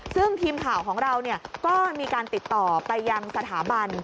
ซึ่งทีมข่าวของเราก็มีการติดต่อไปยังสถาบัน